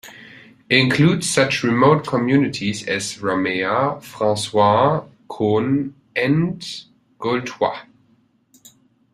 Includes such remote communities as Ramea, Francois, Conne and Gaultois.